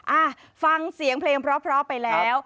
อ่ะฟังเสียงเพลงเพราะไปแล้ว